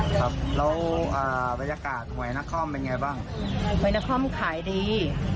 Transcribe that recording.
ครับแล้วอ่าบรรยากาศหวยนครเป็นไงบ้างหวยนาคอมขายดี